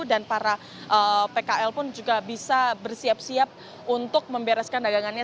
dan para pkl pun juga bisa bersiap siap untuk membereskan dagangannya